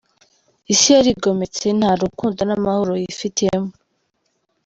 Isi yarigometse, nta rukundo n’amahoro yifitemo.